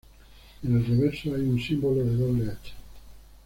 En el reverso hay un símbolo de doble hacha.